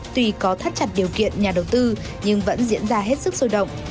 tuy có thắt chặt điều kiện nhà đầu tư nhưng vẫn diễn ra hết sức sôi động